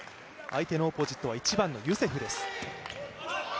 相手のオポジットは１番のユセフです。